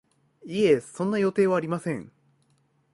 いえ、そんな予定はありません